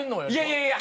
いやいや！